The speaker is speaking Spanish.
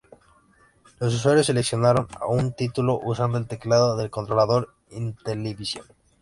Los usuarios seleccionaron un título usando el teclado del controlador Intellivision.